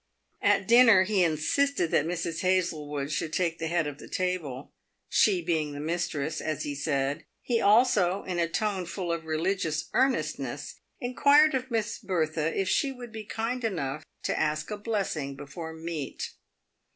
At dinner he insisted that Mrs. Hazlewood should take the head of the table, " she being the mistress," as he said. He also, in a tone full of religious earnestness, inquired of Miss Bertha if she would be kind enough to ask a blessing before meat.